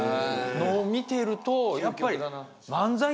のを見てるとやっぱり。